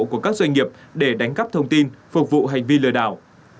của các doanh nghiệp để đánh cắp thông tin phục vụ hành vi lừa đảo